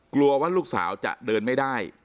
กลัวว่าลูกสาวจะเดินไม่ได้